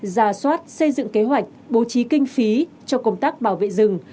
ra soát xây dựng kế hoạch bố trí kinh phí cho công tác bảo vệ rừng